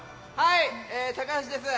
高橋です。